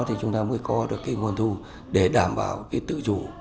thì chúng ta mới có được cái nguồn thu để đảm bảo cái tự chủ